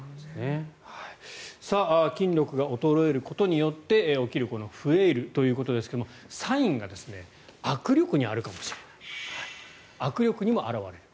筋力が衰えることによって増えるフレイルということですがサインが握力にあるかもしれない握力にも表れる。